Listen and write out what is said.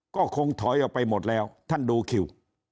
ก็คงถอยออกไปหมดแล้วท่านดูคิว